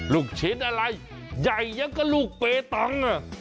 ลูกชิ้นอะไรใหญ่ยังก็ลูกเปตัง